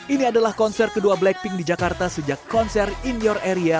ini adalah konser kedua blackpink di jakarta sejak konser in your eria